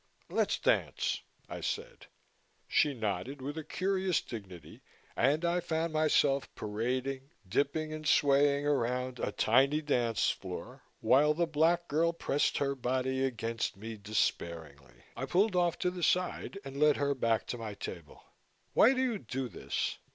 "Let's dance," I said. She nodded with a curious dignity and I found myself parading, dipping and swaying around a tiny dancefloor, while the black girl pressed her body against me despairingly. I pulled off to the side and led her back to my table. "Why do you do this?"